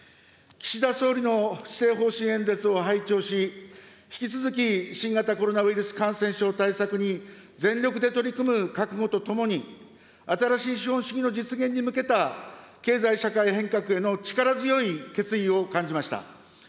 岸田総理の施政方針演説を拝聴し、引き続き、新型コロナウイルス感染症対策に全力で取り組む覚悟とともに、新しい資本主義の実現に向けた経済社会変革への力強い決意を感じました。